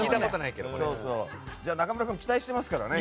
仲村君期待していますからね。